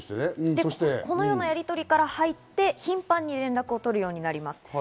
このようなやりとりから入って、頻繁に連絡を取るようになります。